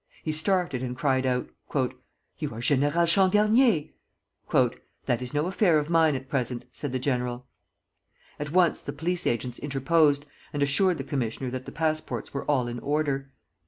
He started, and cried out: "You are General Changarnier!" "That is no affair of mine at present," said the general. At once the police agents interposed, and assured the commissioner that the passports were all in order.